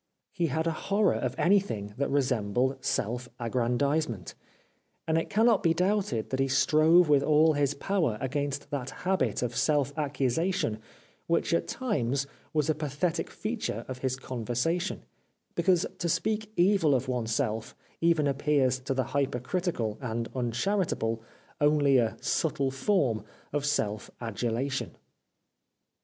He had a horror of 376 "A The Life of Oscar Wilde anything that resembled self aggrandisement ; and it cannot be doubted that he strove with all his power against that habit of self accusation which at times was a pathetic feature of his conversation ; because to speak evil of oneself even appears to the hypercritical and uncharit able only a subtle form of self adulation.